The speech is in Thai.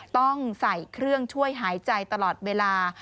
ต้องใส่เครื่องช่วยหายใจตลอดเวลา